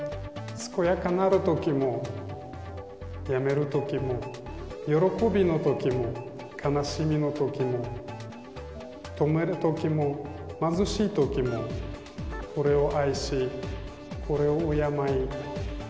健やかなるときも病めるときも喜びのときも悲しみのときも富めるときも貧しいときもこれを愛しこれを敬い。